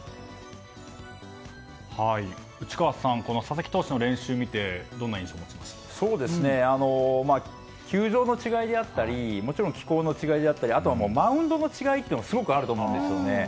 内川さん佐々木投手の練習を見て球場の違いであったりもちろん気候の違いであったりあとはマウンドの違いというのもすごくあると思うんですよね。